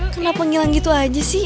kenapa ngilang gitu aja sih